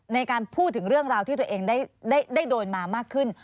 ในการพูดถึงเรื่องราวที่ตัวเองได้โดนมามากขึ้น